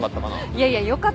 いやいやよかったよ。